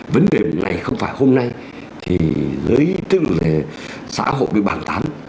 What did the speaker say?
vấn đề này không phải hôm nay thì với tức là xã hội bị bàn tán